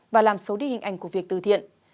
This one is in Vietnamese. và làm xấu đi hình ảnh của việc từ thiện